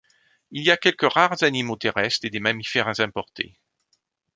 Il y a quelques rares animaux terrestres et des mammifères importés.